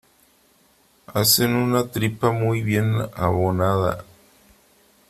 Hacen una tripa muy bien abonada.